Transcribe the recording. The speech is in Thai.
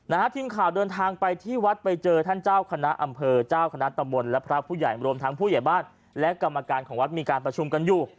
ทีมข่าวเดินทางไปที่วัดไปเจอท่านเจ้าคณะอำเภอเจ้าคณะตำบลและพระผู้ใหญ่รวมทั้งผู้ใหญ่บ้านและกรรมการของวัดมีการประชุมกันอยู่